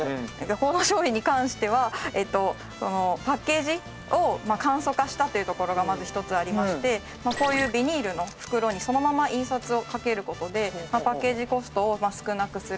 この商品に関してはパッケージを簡素化したというところがまず一つありましてこういうビニールの袋にそのまま印刷をかける事でパッケージコストを少なくする。